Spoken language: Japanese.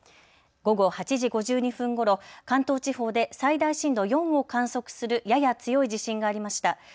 午後８時５２分ごろ、関東地方で最大震度４を観測するやや強い地震がありました。